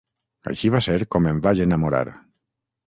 Així va ser com em vaig enamorar.